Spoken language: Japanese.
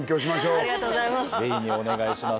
ありがとうございます。